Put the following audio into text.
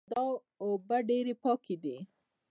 دا اوبه ډېرې پاکې دي